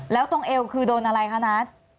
แล้วตรงเอวคือโดนอะไรคะนัท